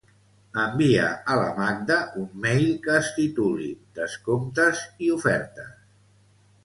Envia a la Magda un mail que es tituli "descomptes i ofertes".